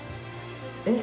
えっ？